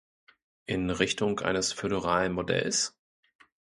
In Richtung eines föderalen Modells?